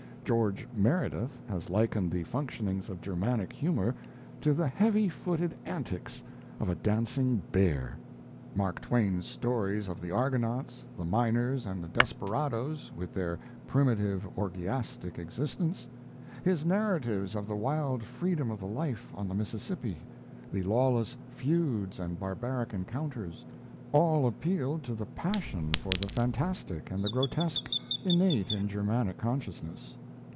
George Meredith has likened the functionings of Germanic humour to the heavy footed antics of a dancing bear. Mark Twain's stories of the Argonauts, the miners and desperadoes, with their primitive, orgiastic existence; his narratives of the wild freedom of the life on the Mississippi, the lawless feuds and barbaric encounters all appealed to the passion for the fantastic and the grotesque innate in the Germanic consciousness.